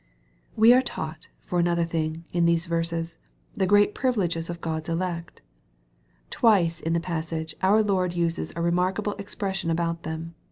We are taught, for another thing, in these verses, Vie, great privileges of God's elect. Twice in the passage our Lord uses a remarkable expression about them.